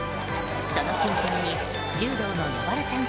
その球場に柔道のヤワラちゃん